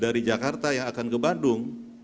dari jakarta yang akan ke bandung